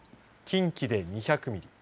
近畿で２００ミリ